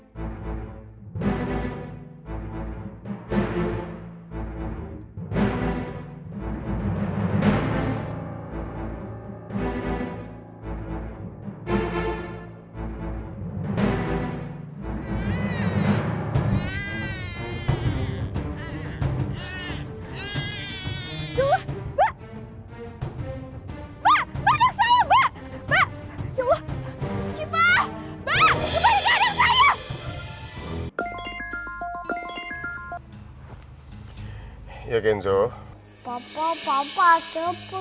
kalau dijual lumayan mahal